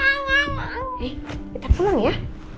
eh kita pulang ya